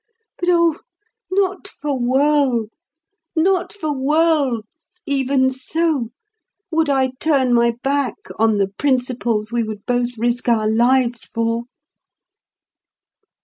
But oh, not for worlds—not for worlds—even so, would I turn my back on the principles we would both risk our lives for!"